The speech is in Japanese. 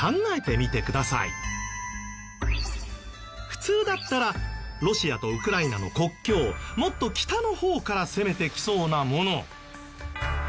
普通だったらロシアとウクライナの国境もっと北の方から攻めてきそうなもの。